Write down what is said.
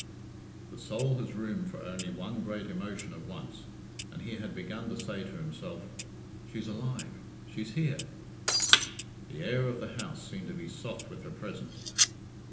The soul has room for only one great emotion at once, and he had begun to say to himself, "She's alive! She's here!" The air of the house seemed to be soft with her presence.